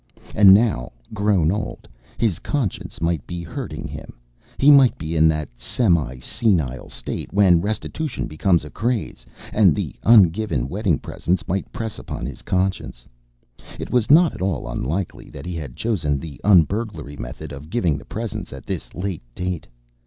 And now, grown old, his conscience might be hurting him. He might be in that semi senile state when restitution becomes a craze, and the ungiven wedding presents might press upon his conscience. It was not at all unlikely that he had chosen the un burglary method of giving the presents at this late date.